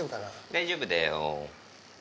大丈夫だよ。